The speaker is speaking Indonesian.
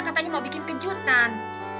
katanya mau bikin kejutan